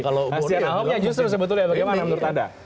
kasian ahoknya justru sebetulnya bagaimana menurut anda